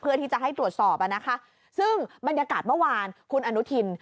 เพื่อที่จะให้ตรวจสอบอ่ะนะคะซึ่งบรรยากาศเมื่อวานคุณอนุทิน